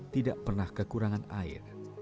tidak pernah kekurangan air